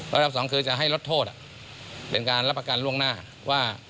ระดับสองคือจะให้ลดโทษเป็นการรับประกันล่วงหน้าว่า